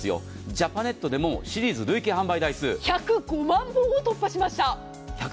ジャパネットでもシリーズ累計販売台数１０５万本を突破しました。